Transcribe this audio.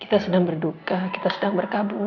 kita sedang berduka kita sedang berkabung